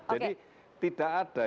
jadi tidak ada